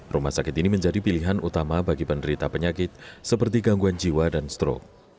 rumah sakit ini menjadi pilihan utama bagi penderita penyakit seperti gangguan jiwa dan strok